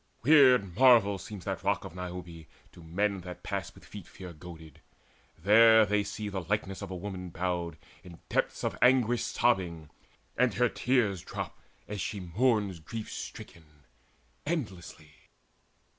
Weird marvel seems that Rock of Niobe To men that pass with feet fear goaded: there They see the likeness of a woman bowed, In depths of anguish sobbing, and her tears Drop, as she mourns grief stricken, endlessly.